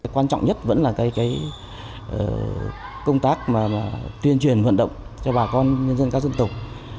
quan trọng nhất vẫn là công tác tuyên truyền vận động cho bà con nhân dân các dân tộc